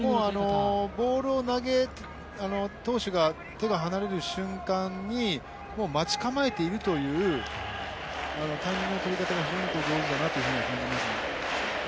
ボールを投手が手が離れる瞬間に待ち構えているというタイミングの取り方が非常に上手だなと感じますね。